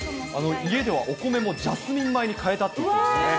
家ではお米もジャスミン米に変えたって言ってましたね。